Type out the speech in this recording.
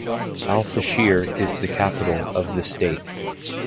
Al-Fashir is the capital of the state.